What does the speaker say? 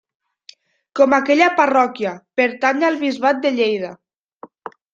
Com aquella parròquia, pertany al bisbat de Lleida.